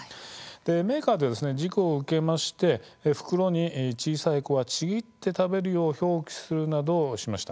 メーカーでは事故を受けまして袋に小さい子はちぎって食べるよう表記するなどしました。